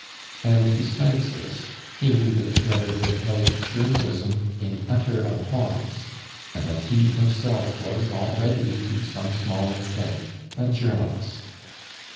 And, besides this, he knew that the brotherhood held journalism in utter abhorrence, and that he himself was already, to some small extent, a journalist.